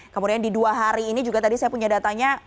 kemudian di dua hari ini juga tadi saya punya datanya